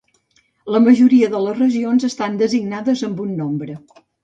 La majoria de les regions estan designades amb un nombre.